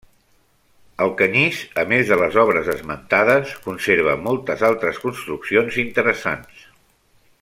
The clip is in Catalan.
Alcanyís -a més de les obres esmentades- conserva moltes altres construccions interessants.